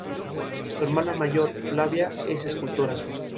Su hermana mayor, Flavia, es escultora.